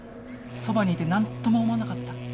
そばにいて何とも思わなかった？